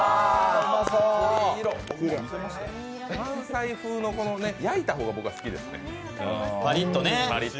関西風の焼いた方が好きですね。